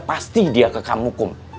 pasti dia ke kamu kum